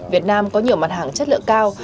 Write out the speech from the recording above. việt nam có nhiều mặt hàng chất lượng cao